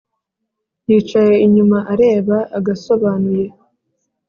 Yicaye inyuma areba agasobanuye